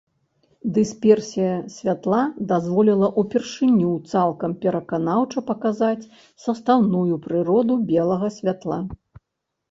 Дысперсія святла дазволіла ўпершыню цалкам пераканаўча паказаць састаўную прыроду белага святла.